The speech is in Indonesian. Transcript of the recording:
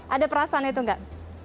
ada perasaan itu gak